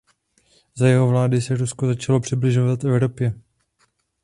Za jeho vlády se Rusko začalo přibližovat Evropě.